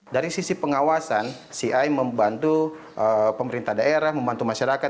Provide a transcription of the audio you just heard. dari sisi pengawasan ci membantu pemerintah daerah membantu masyarakat